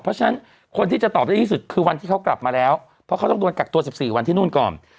เพราะฉะนั้นคนที่จะตอบได้ที่สุดคือวันที่เขากลับมาแล้วเพราะเขาต้องโดนกักตัว๑๔วันที่นู่นก่อน